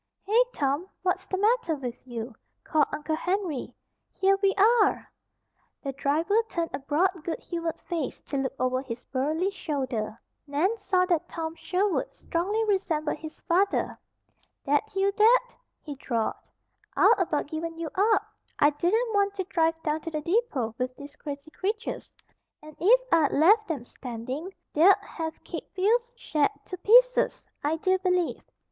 "Hey, Tom! What's the matter with you?" called Uncle Henry. "Here we are!" The driver turned a broad, good humored face to look over his burly shoulder. Nan saw that Tom Sherwood strongly resembled his father. "That you, Dad?" he drawled. "I'd about given you up. I didn't want to drive down to the depot with these crazy creatures. And if I'd left 'em standing they'd have kicked Phil's shed to pieces, I do believe.